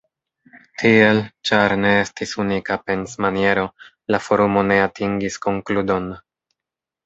Tiel, ĉar ne estis “unika pensmaniero, la forumo ne atingis konkludon.